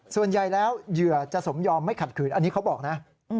ส่วนใหญ่แล้วเหยื่อจะสมยอมไม่ขัดขืนอันนี้เขาบอกนะ